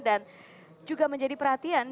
dan juga menjadi perhatian